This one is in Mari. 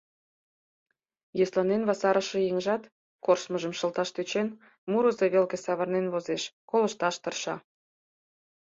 Йӧсланен васарыше еҥжат, корштышыжым шылташ тӧчен, мурызо велке савырнен возеш, колышташ тырша.